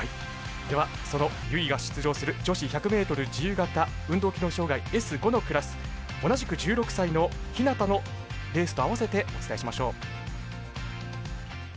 では、その由井が出場する女子１００ｍ自由形運動機能障がいＳ５のクラス同じく１６歳の日向のレースとあわせてお伝えしましょう。